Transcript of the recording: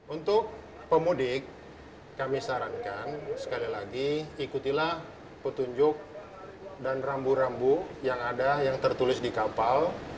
untuk pemudik kami sarankan sekali lagi ikutilah petunjuk dan rambu rambu yang ada yang tertulis di kapal